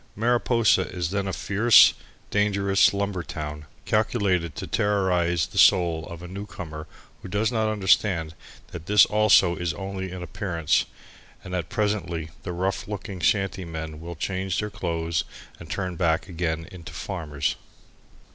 Mariposa is then a fierce, dangerous lumber town, calculated to terrorize the soul of a newcomer who does not understand that this also is only an appearance and that presently the rough looking shanty men will change their clothes and turn back again into farmers.